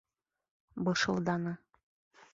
Бышылданы: